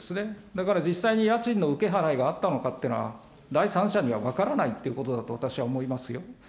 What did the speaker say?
だから実際に家賃の受け払いがあったのかというのは、第三者には分からないってことだと私は思いますよ。